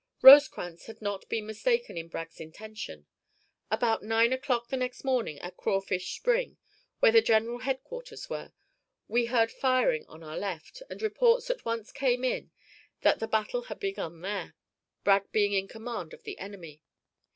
Rosecrans had not been mistaken in Bragg's intention. About nine o'clock the next morning at Crawfish Spring, where the general headquarters were, we heard firing on our left, and reports at once came in that the battle had begun there, Bragg being in command of the enemy.